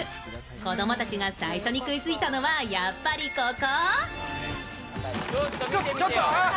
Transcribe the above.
子供たちが最初に食いついたのはやっぱりここ。